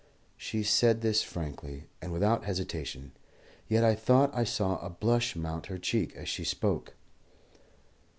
She said this frankly, and without hesitation; yet I thought I saw a blush mount her cheek as she spoke.